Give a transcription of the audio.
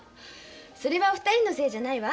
それはお二人のせいじゃないわ。